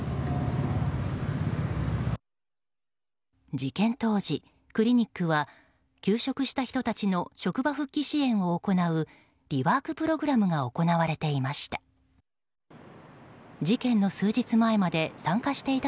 事件当時、クリニックは休職した人たちの職場復帰支援を行うリワークプログラムが行われていました。